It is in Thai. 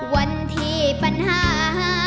วันที่ปัญหา